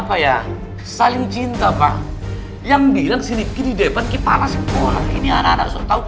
bokap gua udah nyakitin lu